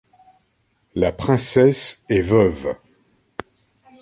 La princesse est veuve.